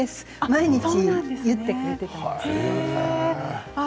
毎日結ってくれていたんです。